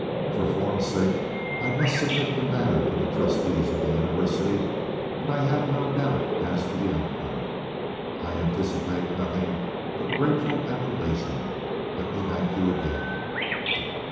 For form's sake, I must submit the matter to the trustees of the University, but I have no doubt as to the outcome. I anticipate nothing but grateful approbation. Let me thank you again."